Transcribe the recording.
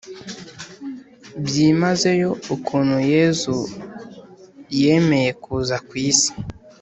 byimazeyo ukuntu yezu yemeye kuza ku isi: